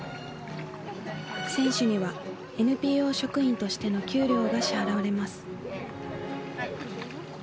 選手にはＮＰＯ職員としての給料が支払われます。